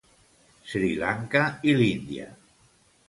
Sri Lanka i l'Índia.